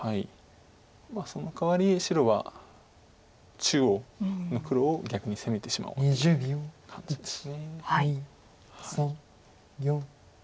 そのかわり白は中央の黒を逆に攻めてしまおうという感じです。